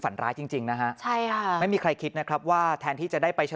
ก็เขาคิดอีกสัปดาห์เดียวเลยค่ะ